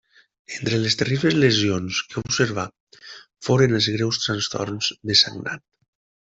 Entre les terribles lesions que observà foren els greus trastorns de sagnat.